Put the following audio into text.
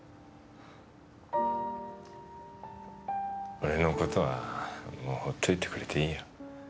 俺の事はもうほっといてくれていいよ。